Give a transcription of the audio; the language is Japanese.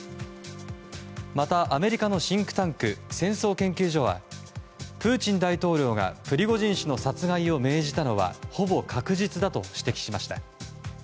また、アメリカのシンクタンク戦争研究所はプーチン大統領がプリゴジン氏の殺害を命じたのはほぼ確実だと指摘しました。